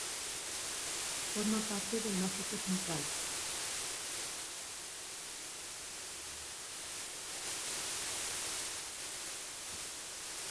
Forma parte del Macizo Central.